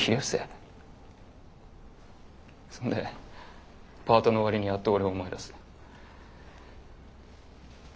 そんでパートの終わりにやっと俺を思い出す。